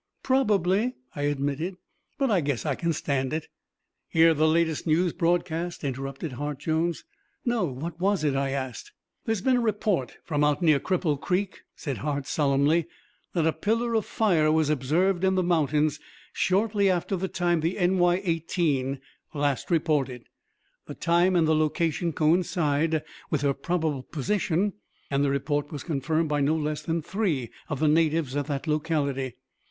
"Probably," I admitted; "but I guess I can stand it." "Hear the latest news broadcast?" interrupted Hart Jones. "No. What was it?" I asked. "There has been a report from out near Cripple Creek," said Hart solemnly, "that a pillar of fire was observed in the mountains shortly after the time the NY 18 last reported. The time and the location coincide with her probable position and the report was confirmed by no less than three of the natives of that locality.